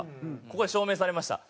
ここで証明されました。